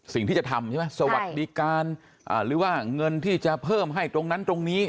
สิ่งที่จะทำใช่ไหมสวัสดิการหรือว่าเงินที่จะเพิ่มให้ตรงนั้นตรงนี้